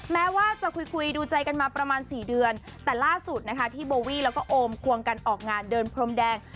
แม้ว่าจะคุยคุยดูใจกันมาประมาณสี่เดือนแต่ล่าสุดนะคะที่โบวี่แล้วก็โอมควงกันออกงานเดินพรมแดง